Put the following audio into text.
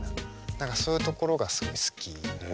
何かそういうところがすごい好きで。